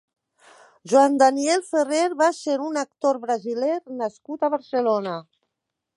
Joan Daniel Ferrer va ser un actor brasiler nascut a Barcelona.